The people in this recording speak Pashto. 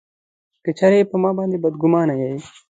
که چېرې پر ما باندي بدګومانه یې.